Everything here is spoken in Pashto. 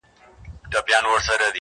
د عقل بندیوانو د حساب کړۍ ماتېږي-